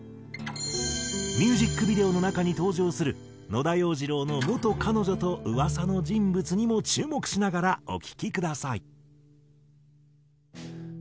ミュージックビデオの中に登場する野田洋次郎の元彼女と噂の人物にも注目しながらお聴きください。